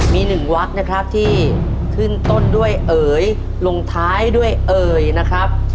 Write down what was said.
มีหนึ่งวัดนะครับที่ขึ้นต้นด้วยเอ๋ยลงท้ายด้วยเอ่ยนะครับ